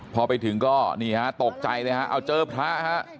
พอไปถึงก็นี่ฮะตกใจเลยฮะเอาเจอพระฮะ